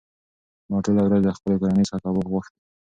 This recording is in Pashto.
ما ټوله ورځ له خپلې کورنۍ څخه کباب غوښت.